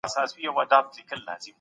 سرلوړي یوازي په قربانۍ کي رامنځته کېږي.